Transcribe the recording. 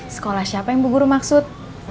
sekolah siapa yang bu guru maksud